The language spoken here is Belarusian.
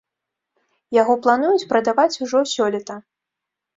Яго плануюць прадаваць ужо сёлета.